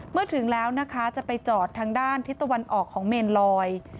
ถึงแล้วนะคะจะไปจอดทางด้านทิศตะวันออกของเมนลอย